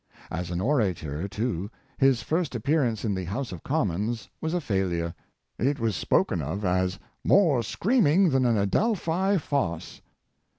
As an orator, too, his first appearance in the House of Commons was a failure. It was spoken of as " more screaming than an Adelphi farce."